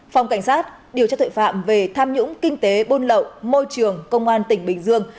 phòng cảnh sát điều tra tội phạm về tham nhũng kinh tế buôn lậu môi trường công an tỉnh bình dương